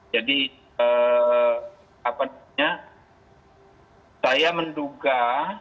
jadi saya menduga